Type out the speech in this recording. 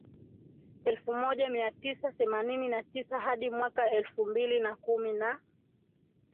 elfu moja mia tisa themanini na tisa hadi mwaka elfu mbili na kumi na